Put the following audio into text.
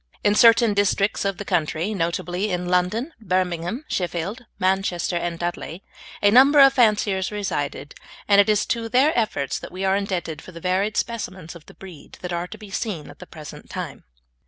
In certain districts of the country, notably in London, Birmingham, Sheffield, Manchester, and Dudley, a number of fanciers resided, and it is to their efforts that we are indebted for the varied specimens of the breed that are to be seen at the present time.